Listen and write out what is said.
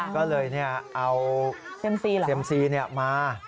ก็เลยเอาเซียมซีมา